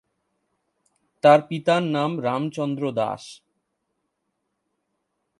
তার পিতার নাম রামচন্দ্র দাস।